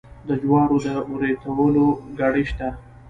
د جوارو د وریتولو ګاډۍ شته.